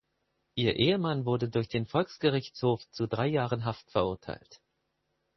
Ihr Ehemann wurde durch den Volksgerichtshof zu drei Jahren Haft verurteilt.